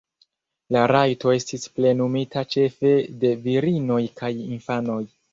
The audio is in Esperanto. La rajto estis plenumita ĉefe de virinoj kaj infanoj.